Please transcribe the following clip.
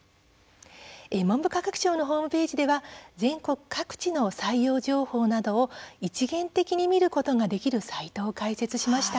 文部科学省のホームページでは全国各地の採用情報などを一元的に見ることができるサイトを開設しました。